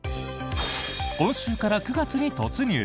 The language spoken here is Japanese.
今週から９月に突入！